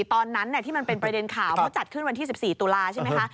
ตอนนั้นที่มันเป็นประเด็นข่าวเขาจัดขึ้นวันที่๑๔ตุลาใช่ไหมคะ